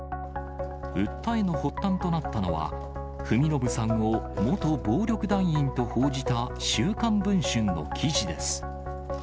訴えの発端となったのは、文信さんを元暴力団員と報じた週刊文春の記事です。